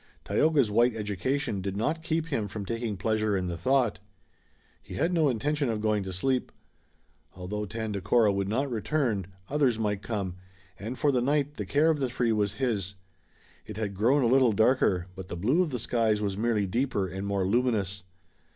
Tayoga's white education did not keep him from taking pleasure in the thought. He had no intention of going to sleep. Although Tandakora would not return, others might come, and for the night the care of the three was his. It had grown a little darker, but the blue of the skies was merely deeper and more luminous.